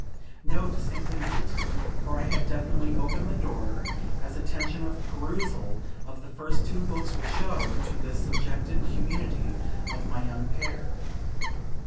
No, distinctly not; for I had definitely opened the door, as attention of perusal of the first two Books will show, to the subjective community of my young pair.